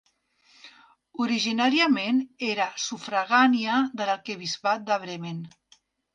Originàriament era sufragània de l'arquebisbat de Bremen.